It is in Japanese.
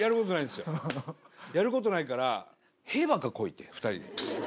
やることないから屁ばっかこいて２人で。